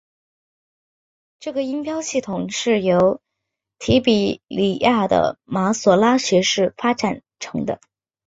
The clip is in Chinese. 这个音标系统是由提比哩亚的马所拉学士发展成的。